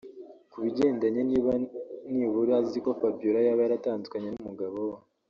Ku bigendanye niba nibura aziko Fabiola yaba yaratandukanye n’umugabo we